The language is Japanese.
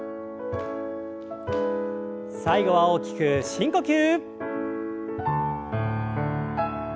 最後は大きく深呼吸。